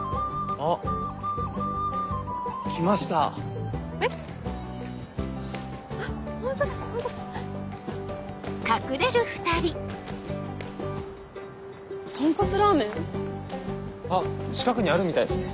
あっ近くにあるみたいっすね。